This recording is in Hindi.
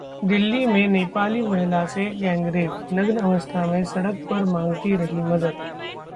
दिल्ली में नेपाली महिला से गैंगरेप, नग्न अवस्था में सड़क पर मांगती रही मदद